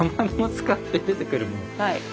はい。